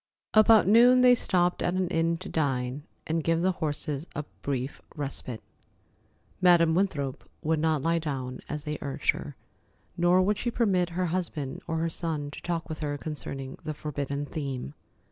About noon they stopped at an inn to dine, and give the horses a brief respite. Madam Winthrop would not lie down, as they urged her, nor would she permit her husband or her son to talk with her concerning the forbidden theme.